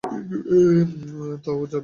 তা ও বে ফিরেছে!